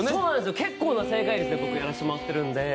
結構な正解率で僕、やらしてもらっているんで。